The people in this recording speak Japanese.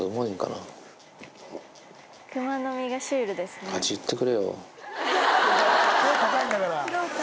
ねっ高いんだから。